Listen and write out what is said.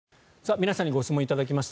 皆さんにご質問を頂きました。